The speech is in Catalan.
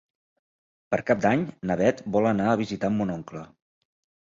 Per Cap d'Any na Bet vol anar a visitar mon oncle.